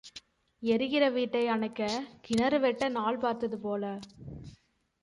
எரிகிற வீட்டை அணைக்கக் கிணறு வெட்ட நாள் பார்த்தது போல.